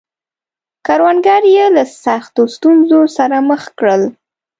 کروندګر یې له سختو ستونزو سره مخ کړل.